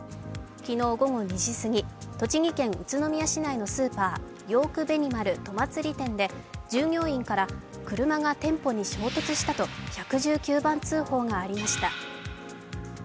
昨日午後２時過ぎ、栃木県宇都宮市内のスーパーヨークベニマル戸祭店で、従業員から車が店舗に衝突したと１１９番通報がありました。